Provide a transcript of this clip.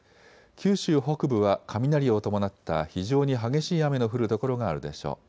九州北部は雷を伴った非常に激しい雨の降る所があるでしょう。